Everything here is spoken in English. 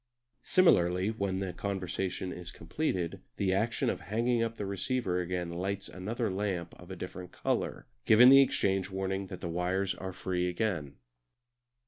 Similarly, when the conversation is completed the action of hanging up the receiver again lights another lamp of a different colour, given the exchange warning that the wires are free again.